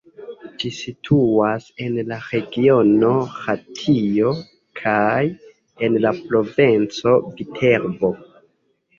Ĝi situas en la regiono Latio kaj en la provinco Viterbo.